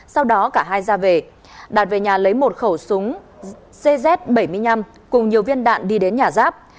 sau đó cả hai ra về đạt về nhà lấy một khẩu súng cz bảy mươi năm cùng nhiều viên đạn đi đến nhà giáp